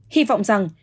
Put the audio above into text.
hy vọng rằng